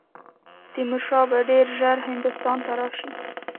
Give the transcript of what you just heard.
تیمور شاه به ډېر ژر هندوستان ته راشي.